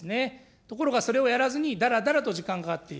ところが、それをやらずに、だらだらと時間がかかっている。